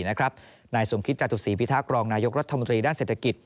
นายสมคิตจตุศีพิทักษ์รองนายกรัฐมนตรีด้านเศรษฐกิจ